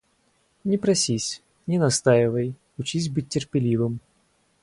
Не просись, не настаивай, учись быть терпеливым...